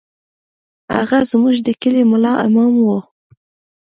هغه زموږ د کلي ملا امام و.